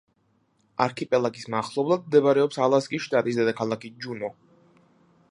არქიპელაგის მახლობლად მდებარეობს ალასკის შტატის დედაქალაქი ჯუნო.